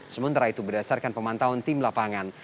sementara itu berdasarkan pemantauan tim lapangan